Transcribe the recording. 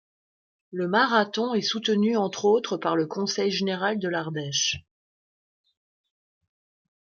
Le marathon est soutenu entre autres par le Conseil général de l'Ardèche.